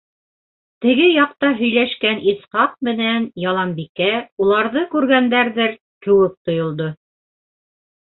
Теге яҡта һөйләшкән Исхаҡ менән Яланбикә уларҙы күргәндәрҙер кеүек тойолдо.